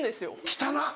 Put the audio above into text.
汚っ。